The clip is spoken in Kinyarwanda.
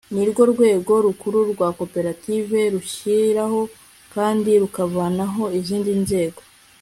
nirwo rwego rukuru rwa koperative rushyiraho kandi rukavanaho izindi nzego